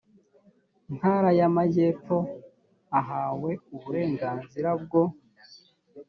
ntara y amajyepfo ahawe uburenganzira bwo